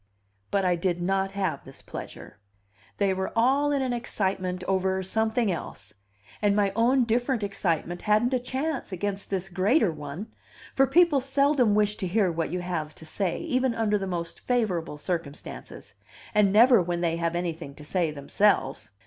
But I did not have this pleasure. They were all in an excitement over something else, and my own different excitement hadn't a chance against this greater one; for people seldom wish to hear what you have to say, even under the most favorable circumstances, and never when they have anything to say themselves.